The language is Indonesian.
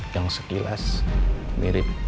yang sekilas mirip